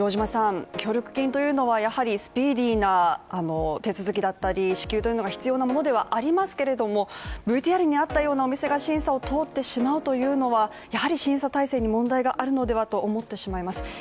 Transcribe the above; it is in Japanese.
協力金というのはやはり、スピーディーな手続きだったり支給というのが必要なものではありますけれども、ＶＴＲにあったようなお店が審査を通ってしまうというのは、やはり審査体制に問題があるのではと思ってしまいます。